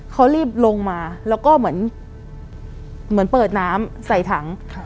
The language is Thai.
เขารีบลงมาแล้วก็เหมือนเปิดน้ำใส่ถัง